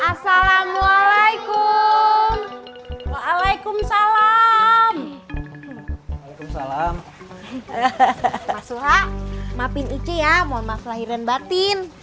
assalamualaikum waalaikumsalam waalaikumsalam mas suha maafin uce ya mohon maaf lahiran batin